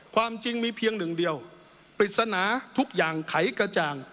ความจริงมีเพียงหนึ่งเดียวปริศนาทุกอย่างไขกระจ่าง